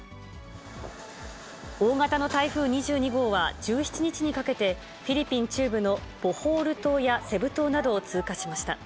大型の台風２２号は、１７日にかけて、フィリピン中部のボホール島やセブ島などを通過しました。